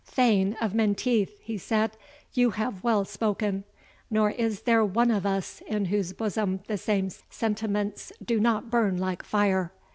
"Thane of Menteith," he said, "you have well spoken; nor is there one of us in whose bosom the same sentiments do not burn like fire.